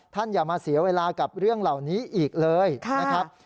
อย่ามาเสียเวลากับเรื่องเหล่านี้อีกเลยนะครับ